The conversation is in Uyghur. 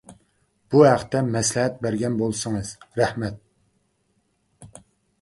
بۇ ھەقتە مەسلىھەت بەرگەن بولسىڭىز؟ رەھمەت.